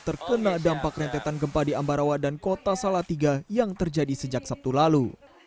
terkena dampak rentetan gempa di ambarawa dan kota salatiga yang terjadi sejak sabtu lalu